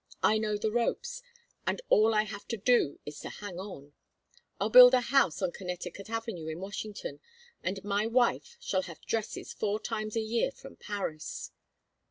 I know the ropes, and all I have to do is to hang on. I'll build a house on Connecticut Avenue in Washington, and my wife shall have dresses four times a year from Paris."